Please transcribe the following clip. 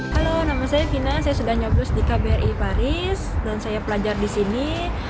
halo nama saya vina saya sudah nyoblos di kbri paris dan saya pelajar di sini